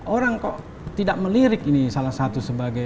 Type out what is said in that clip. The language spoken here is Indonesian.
orang kok tidak melirik ini salah satu sebagai